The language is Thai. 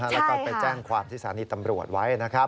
แล้วก็ไปแจ้งความที่สถานีตำรวจไว้นะครับ